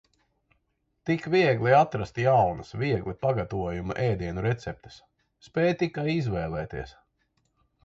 Tik viegli atrast jaunas, viegli pagtavojamu ēdienu receptes. Spēj tikai izvēlēties!